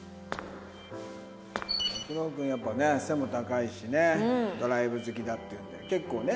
拓郎君はやっぱね背も高いしねドライブ好きだっていうので結構ね